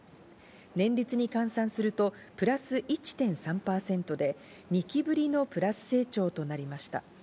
年率に換算するとプラス１．３％で、２期ぶりのプラス成長となりました。